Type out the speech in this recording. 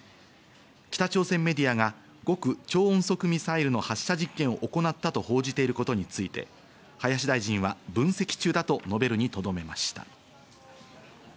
北朝鮮メディアが極超音速ミサイルの発射実験を行ったと報じていることについて、林大臣は分析中だと述べるにとどめました。